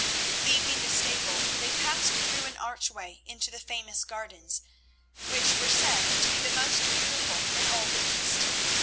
Leaving the stable, they passed through an archway into the famous gardens, which were said to be the most beautiful in all the East.